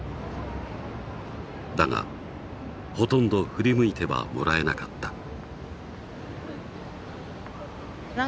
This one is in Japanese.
だがほとんど振り向いてはもらえなかった。